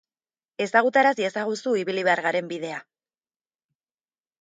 Ezagutaraz iezaguzu ibili behar garen bidea.